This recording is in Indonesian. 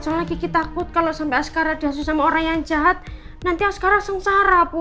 soalnya lagi kita takut kalau sampai askara dihasil sama orang yang jahat nanti askara sengsara bu